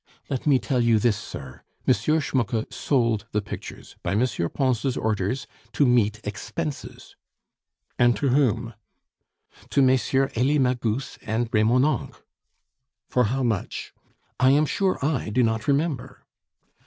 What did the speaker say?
Let me tell you this, sir: M. Schmucke sold the pictures, by M. Pons' orders, to meet expenses." "And to whom?" "To Messrs. Elie Magus and Remonencq." "For how much?" "I am sure I do not remember."